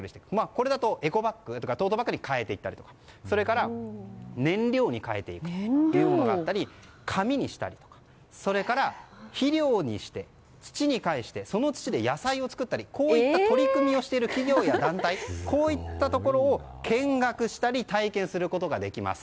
これだとエコバッグとかトートバッグに変えたりとかそれから、燃料に変えていくというものもあったり紙にしたりとか肥料にして、土にかえしてその土で野菜を作ったりこういった取り組みをしている企業や団体、こういったところを見学したり体験することができます。